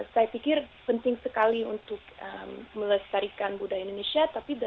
saya pikir penting sekali untuk melestarikan budaya indonesia